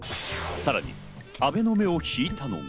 さらに阿部の目を引いたのが。